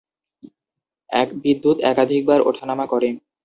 বিদ্যুৎ একাধিকবার ওঠানামা করে।